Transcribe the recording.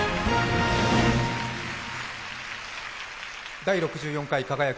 「第６４回輝く！